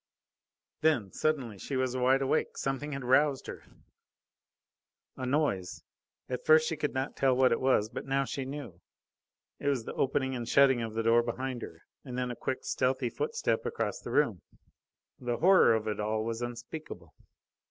Then, suddenly, she was wide awake. Something had roused her. A noise. At first she could not tell what it was, but now she knew. It was the opening and shutting of the door behind her, and then a quick, stealthy footstep across the room. The horror of it all was unspeakable.